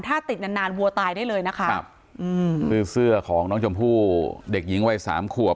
ถ้าติดนานวัวตายได้เลยนะคะคือเสื้อของน้องจมพู่เด็กหญิงวัย๓ขวบ